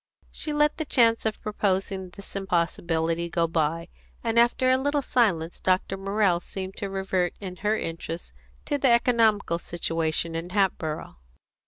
She let the chance of proposing this impossibility go by; and after a little silence Dr. Morrell seemed to revert, in her interest, to the economical situation in Hatboro'.